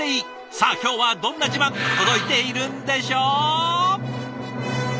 さあ今日はどんな自慢届いているんでしょう？